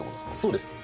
そうです